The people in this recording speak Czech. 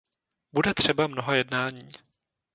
Bude třeba mnoha jednání.